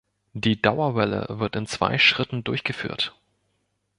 Die Dauerwelle wird in zwei Schritten durchgeführt.